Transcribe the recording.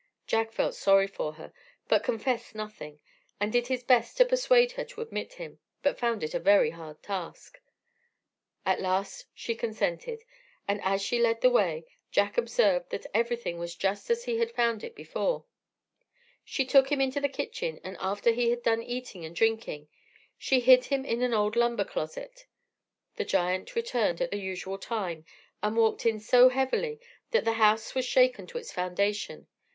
Jack felt sorry for her, but confessed nothing, and did his best to persuade her to admit him, but found it a very hard task. At last she consented, and as she led the way, Jack observed that everything was just as he had found it before: she took him into the kitchen, and after he had done eating and drinking, she hid him in an old lumber closet. The giant returned at the usual time, and walked in so heavily, that the house was shaken to its foundation.